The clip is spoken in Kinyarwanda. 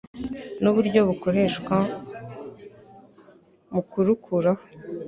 n'uburyo bukoreshwa mu kurukuraho